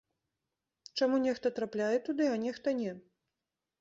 Чаму нехта трапляе туды, а нехта не?